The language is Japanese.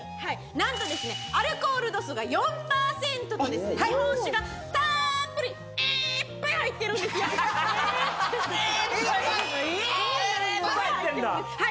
なんとアルコール度数が４％の日本酒がたっぷりいっぱいいっぱい